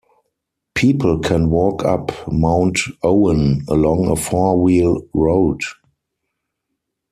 People can walk up Mount Owen along a four wheel road.